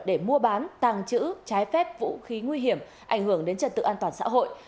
để mua bán tàng trữ trái phép vũ khí nguy hiểm ảnh hưởng đến trật tự an toàn xã hội